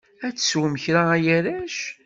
Ad teswem kra a arrac?